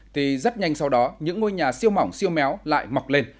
thì rất nhanh sau đó những ngôi nhà siêu mỏng siêu méo lại mọc lên